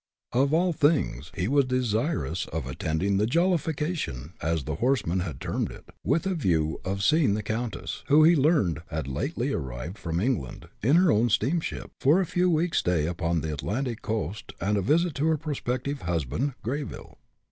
Of all things, he was desirous of attending the "jollification," as the horseman had termed it, with a view of seeing the countess, who, he learned, had lately arrived from England, in her own steamship, for a few weeks' stay upon the Atlantic coast, and a visit to her prospective husband, Greyville.